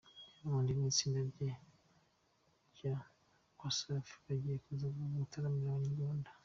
Diamond n’itsinda rye ryose rya Wasafi bagiye kuza gutaramira Abanyarwanda.